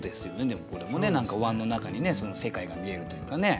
でもこれもね何かおわんの中にその世界が見えるというかね。